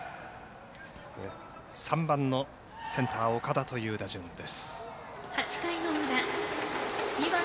３番のセンター岡田という打順です。